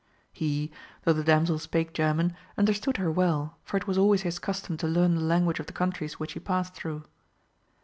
He, though the damsel spake German, understood her well, for it was always his custom to learn the language of the coun tries which he passed through.